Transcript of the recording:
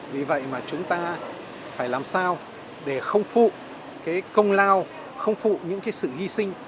vì vậy mà chúng ta phải làm sao để không phụ cái công lao không phụ những cái sự hy sinh